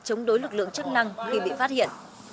chống đối lực lượng chức năng khi bị phát hiện